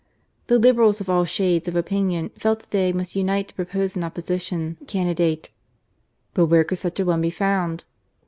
The Liberals of all shades of opinion felt that they must unite to propose an Opposition candidate. But where could snch a one be found